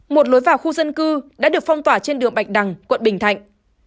một lối vào khu dân cư đã được phong tỏa trên đường bạch đằng quận bình thạnh